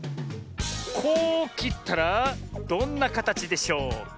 こうきったらどんなかたちでしょうか？